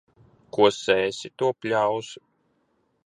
Ko sēsi, to pļausi.